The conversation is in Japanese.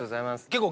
結構。